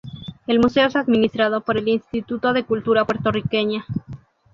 El museo es administrado por el Instituto de Cultura Puertorriqueña.